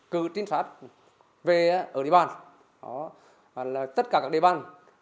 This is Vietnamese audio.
cử trinh sát về ở địa bàn tất cả các địa bàn